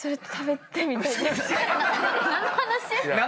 何の話？